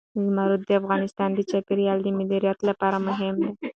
زمرد د افغانستان د چاپیریال د مدیریت لپاره مهم دي.